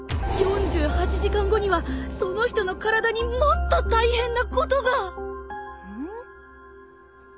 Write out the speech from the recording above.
「４８時間後にはその人の体にもっと大変なことが」ん？